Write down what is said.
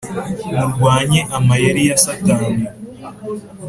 Murwanye amayeri ya satani